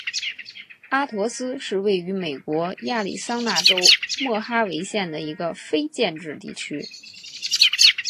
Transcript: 阿陀斯是位于美国亚利桑那州莫哈维县的一个非建制地区。